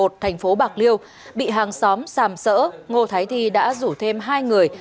thành phố bạc liêu bị hàng xóm xàm sỡ ngô thái thi đã rủ thêm hai người